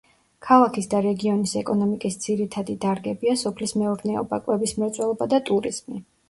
ქალაქის და რეგიონის ეკონომიკის ძირითადი დარგებია სოფლის მეურნეობა, კვების მრეწველობა და ტურიზმი.